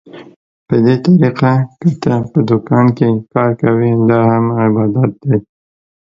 په دې طريقه که ته په دوکان کې کار کوې، دا هم عبادت دى.